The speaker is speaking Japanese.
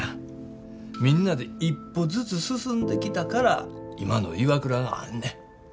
みんなで一歩ずつ進んできたから今のＩＷＡＫＵＲＡがあんねん。